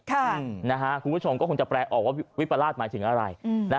คุณผู้ชมก็คงจะแปลออกว่าวิปราชหมายถึงอะไร